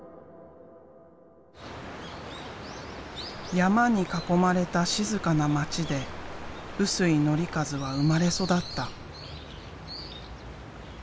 山に囲まれた静かな町で臼井紀和は生まれ育った。